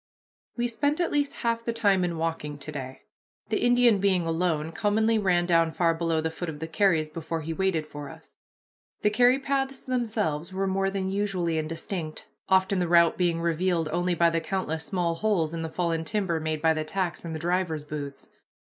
We spent at least half the time in walking to day. The Indian, being alone, commonly ran down far below the foot of the carries before he waited for us. The carry paths themselves were more than usually indistinct, often the route being revealed only by the countless small holes in the fallen timber made by the tacks in the drivers' boots.